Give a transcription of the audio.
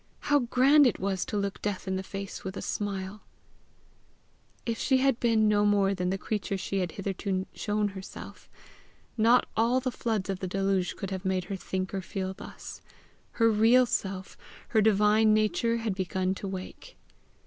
How grand it was to look death in the face with a smile! If she had been no more than the creature she had hitherto shown herself, not all the floods of the deluge could have made her think or feel thus: her real self, her divine nature had begun to wake.